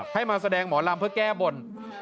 ให้มาแสดงหมอลำเพื่อแก้บน